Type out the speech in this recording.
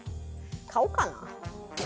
買おうかな。